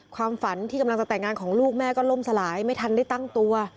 ความฝันที่กำลังจะแต่งงานของลูกแม่ก็ล่มสลายไม่ทันได้ตั้งตัว